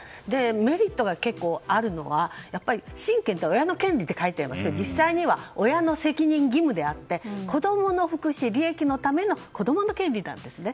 メリットが結構あるのはやっぱり親権って親の権利って書きますが実際には親の責任、義務であって子供の福祉・利益のための子供の権利なんですね。